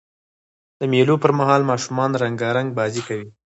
د مېلو پر مهال ماشومان رنګارنګ بازۍ کوي.